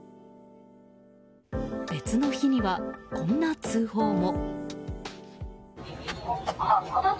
別の日には、こんな通報も。